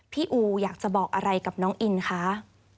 อูอยากจะบอกอะไรกับน้องอินคะ